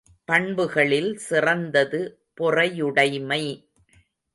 பண்புகளில் சிறந்தது பொறையுடைமை.